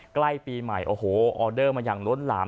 ใกล้ปีใหม่โอ้โหออเดอร์มาอย่างล้นหลาม